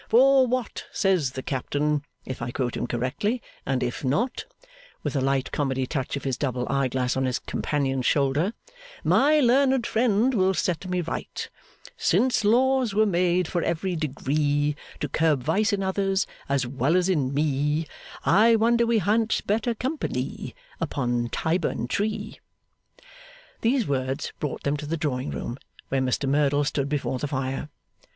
For what says the Captain, if I quote him correctly and if not,' with a light comedy touch of his double eye glass on his companion's shoulder, 'my learned friend will set me right: "Since laws were made for every degree, To curb vice in others as well as in me, I wonder we ha'n't better company Upon Tyburn Tree!"' These words brought them to the drawing room, where Mr Merdle stood before the fire.